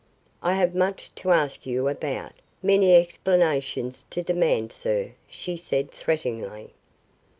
"I have much to ask you about, many explanations to demand, sir," she said threateningly.